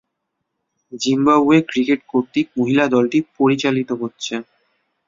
Zimbabwe cricket কর্তৃক মহিলা দলটি পরিচালিত হচ্ছে।